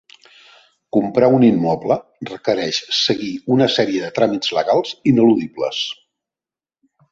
Comprar un immoble requereix seguir una sèrie de tràmits legals ineludibles.